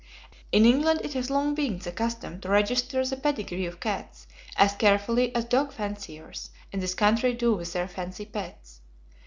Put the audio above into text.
In England it has long been the custom to register the pedigree of cats as carefully as dog fanciers in this country do with their fancy pets.